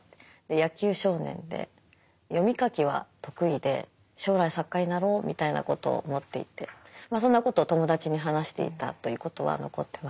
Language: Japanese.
野球少年で読み書きは得意で将来作家になろうみたいなことを思っていてまあそんなことを友達に話していたということは残ってます。